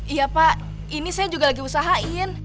iya pak ini saya juga lagi usahain